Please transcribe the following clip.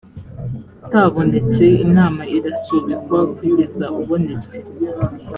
utabonetse inama irasubikwa kugeza ubonetse